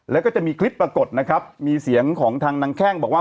แล้วก็จะมีคลิปปรากฏนะครับมีเสียงของทางนางแข้งบอกว่า